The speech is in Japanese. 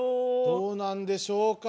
どうなんでしょうか？